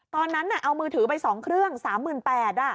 ตอนนั้นเอามือถือไป๒เครื่อง๓๘๐๐บาท